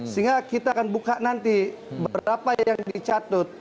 sehingga kita akan buka nanti berapa yang dicatut